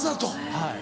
はい。